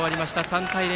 ３対０。